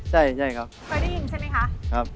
เค้าได้ยินใช่ไหมคะครับ